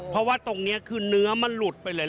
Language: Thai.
เพราะว่าตรงนี้คือเนื้อมันหลุดไปเลย